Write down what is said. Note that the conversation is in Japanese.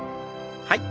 はい。